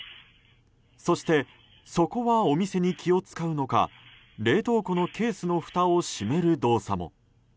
そしてそこはお店に気を使うのか冷凍庫のケースのふたを閉める動作も。